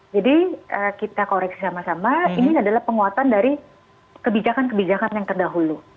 jadi kita koreksi sama sama ini adalah penguatan dari kebijakan kebijakan yang terdahulu